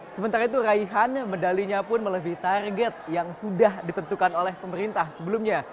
sementara itu raihan medalinya pun melebihi target yang sudah ditentukan oleh pemerintah sebelumnya